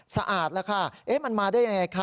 สะอาดแล้วค่ะมันมาได้ยังไงคะ